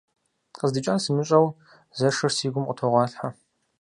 КъыздикӀар сымыщӀэу зэшыр си гум къытогъуалъхьэ.